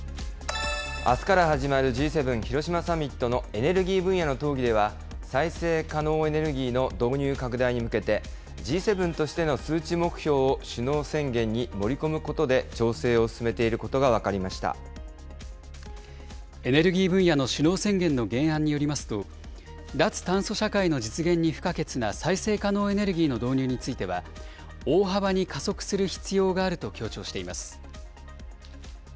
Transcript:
あすから始まるＧ７広島サミットのエネルギー分野の討議では、再生可能エネルギーの導入拡大に向けて、Ｇ７としての数値目標を首脳宣言に盛り込むことで調整を進めていエネルギー分野の首脳宣言の原案によりますと、脱炭素社会の実現に不可欠な再生可能エネルギーの導入については、大幅に加速する必要があると強調しています。